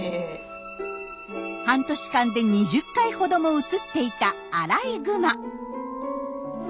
半年間で２０回ほども映っていたアライグマ。